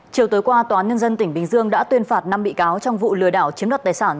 chiều tối qua tòa nhân dân tỉnh bình dương đã tuyên phạt năm bị cáo trong vụ lừa đảo chiếm đoạt tài sản